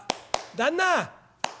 旦那！」。